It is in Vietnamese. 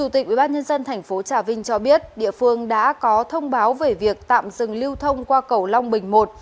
thành phố trà vinh cho biết địa phương đã có thông báo về việc tạm dừng lưu thông qua cầu long bình một